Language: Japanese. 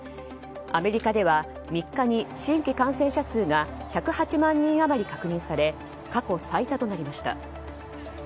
アメリカでは３日に新規感染者数が１０８万人余りが確認され、過去最多となりました。